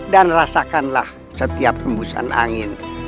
dan rasakanlah setiap hembusan angin